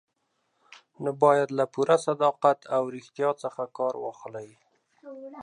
نو باید له پوره صداقت او ریښتیا څخه کار واخلئ.